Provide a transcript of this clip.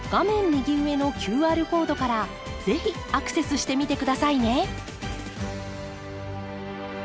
右上のＱＲコードから是非アクセスしてみて下さいね！